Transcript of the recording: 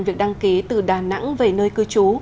việc đăng ký từ đà nẵng về nơi cư trú